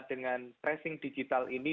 dengan tracing digital ini